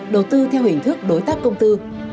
đầu tư theo hình thức đối tác công tư